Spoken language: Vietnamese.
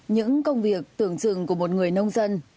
những công việc tưởng chừng của một người nông dân